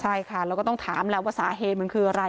ใช่ค่ะแล้วก็ต้องถามแล้วว่าสาเหตุมันคืออะไร